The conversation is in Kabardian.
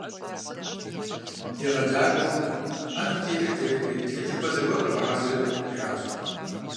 Егъэджакӏуэм «ӏэнэм телъыр тефхи, тхылъымпӏэ зэгуэт къэвгъэхьэзырыт» жиӏащ.